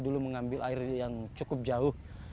dulu mengambil air yang cukup jauh